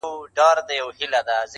زموږ کاروان ته د هنر سپيني ډېوې سه-